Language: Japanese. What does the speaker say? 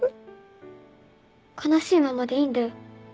悲しいままでいいんだよ。